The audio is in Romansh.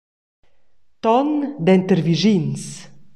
Ton denter vischins.